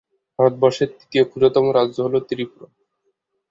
ভারতবর্ষের তৃতীয় ক্ষুদ্রতম রাজ্য হল ত্রিপুরা।